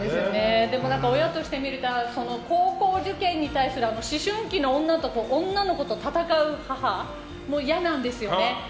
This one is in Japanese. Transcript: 親として見てたら高校受験に対する思春期の女の子と戦う母も嫌なんですよね。